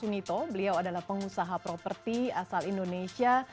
usaha properti asal indonesia